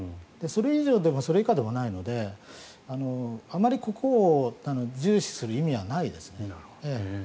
それ以上でもそれ以下でもないのであまりここを重視する意味はないですね。